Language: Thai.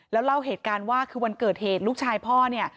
แล้วเล่าเหตุการณ์ว่าคือวันเกิดเหตุลูกชายพ่อเนี่ย